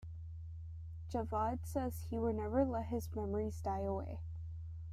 Javad says he will never let his memories die away.